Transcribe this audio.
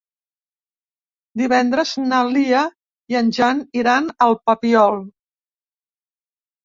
Divendres na Lia i en Jan iran al Papiol.